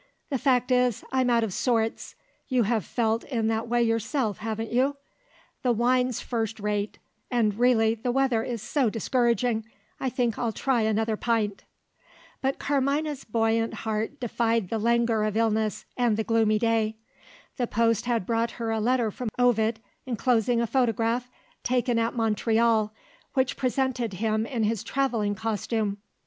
The fact is, I'm out of sorts you have felt in that way yourself, haven't you? The wine's first rate; and, really the weather is so discouraging, I think I'll try another pint." But Carmina's buoyant heart defied the languor of illness and the gloomy day. The post had brought her a letter from Ovid enclosing a photograph, taken at Montreal, which presented him in his travelling costume.